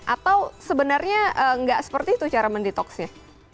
atau sebenarnya nggak seperti itu cara mendetoksnya